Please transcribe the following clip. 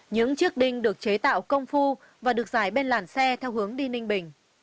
những chiếc đinh được chế tạo công phu và được giải bên làn xe theo hướng đi ninh bình